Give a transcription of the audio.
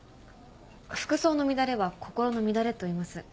「服装の乱れは心の乱れ」といいます。